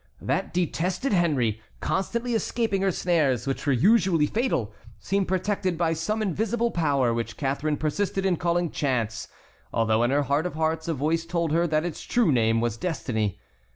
That detested Henry, constantly escaping her snares, which were usually fatal, seemed protected by some invincible power which Catharine persisted in calling chance, although in her heart of hearts a voice told her that its true name was destiny.